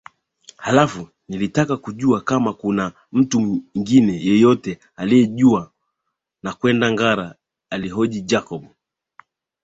Halafu nilitaka kujua kama kuna mtu mwingine yeyote aliyejua nakwenda Ngara alihoji Jacob